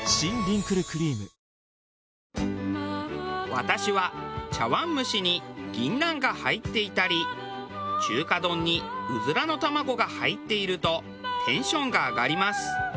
私は茶碗蒸しに銀杏が入っていたり中華丼にうずらの卵が入っているとテンションが上がります。